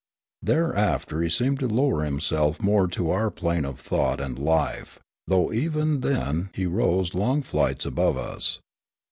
Thereafter he .seemed to lower himself more to our plane of thought and life, though even then he rose long flights above us.